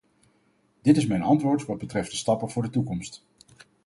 Dit is mijn antwoord wat betreft de stappen voor de toekomst.